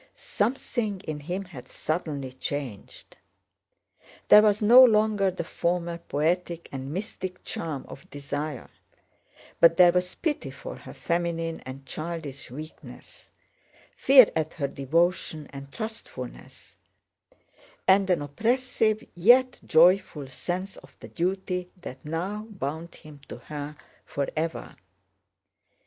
Something in him had suddenly changed; there was no longer the former poetic and mystic charm of desire, but there was pity for her feminine and childish weakness, fear at her devotion and trustfulness, and an oppressive yet joyful sense of the duty that now bound him to her forever.